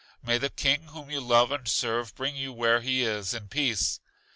May The King whom you love and serve bring you where He is, in peace!